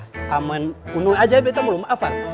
kamen kunung aja beteng lu maaf kan